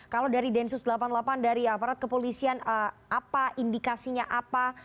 kalau dari densus delapan puluh delapan dari aparat kepolisian apa indikasinya apa